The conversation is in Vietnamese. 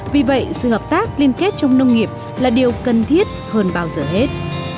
vì vậy sự hợp tác liên kết trong nông nghiệp là điều cần thiết hơn bao giờ hết